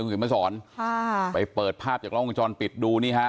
เห็นมาสอนค่ะไปเปิดภาพจากล้องวงจรปิดดูนี่ฮะ